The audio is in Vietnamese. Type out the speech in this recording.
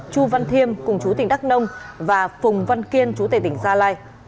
chu văn thiêm cùng chú tỉnh đắk nông và phùng văn kiên chú tệ tỉnh gia lai